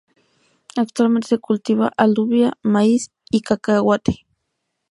Actualmente se cultiva maíz, alubia y cacahuete.